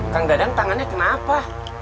kang dadang tangannya kenapa